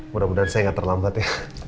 mudah mudahan saya nggak terlambat ya